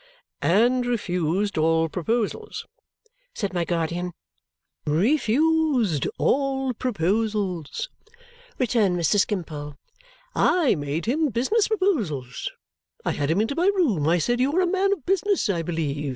"And refused all proposals," said my guardian. "Refused all proposals," returned Mr. Skimpole. "I made him business proposals. I had him into my room. I said, 'You are a man of business, I believe?'